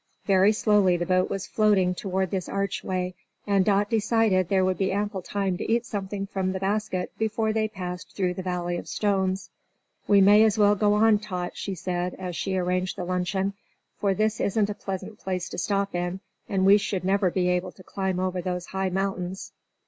Very slowly the boat was floating toward this archway, and Dot decided there would be ample time to eat something from the basket before they had passed through the valley of stones. "We may as well go on, Tot," she said, as she arranged the luncheon; "for this isn't a pleasant place to stop in, and we should never be able to climb over those high mountains."